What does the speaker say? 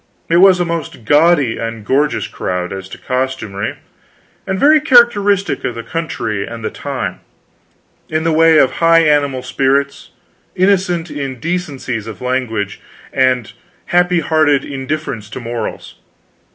It was a most gaudy and gorgeous crowd, as to costumery, and very characteristic of the country and the time, in the way of high animal spirits, innocent indecencies of language, and happy hearted indifference to morals.